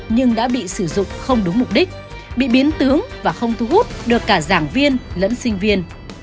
nhưng đã bị sử dụng không đúng mục đích bị biến tướng và không thu hút được cả giảng viên lẫn sinh viên